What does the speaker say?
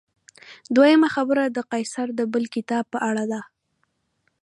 دویمه خبره د قیصر د بل کتاب په اړه ده.